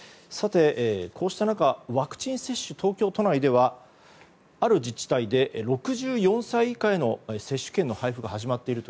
こうした中、ワクチン接種東京都内ではある自治体で６４歳以下への接種券の配布が始まっていると。